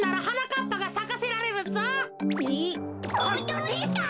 ほんとうですか？